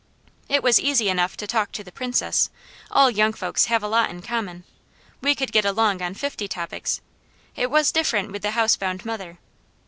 It was easy enough to talk to the Princess all young folks have a lot in common, we could get along on fifty topics; it was different with the housebound mother.